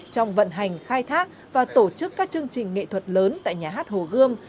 trong vận hành khai thác và tổ chức các chương trình nghệ thuật lớn tại nhà hát hồ gươm